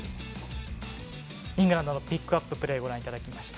イングランドのピックアッププレーご覧いただきました。